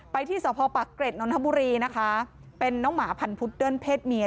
ที่สพปักเกร็ดนนทบุรีนะคะเป็นน้องหมาพันธุดเดิ้ลเพศเมีย